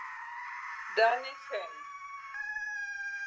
Danny Finn